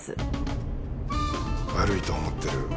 悪いと思ってる。